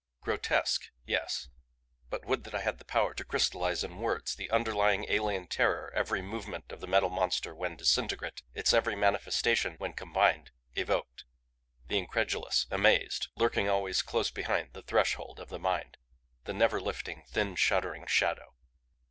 Grotesque yes. But would that I had the power to crystallize in words the underlying, alien terror every movement of the Metal Monster when disintegrate, its every manifestation when combined, evoked; the incredulous, amazed lurking always close behind the threshold of the mind; the never lifting, thin shuddering shadow.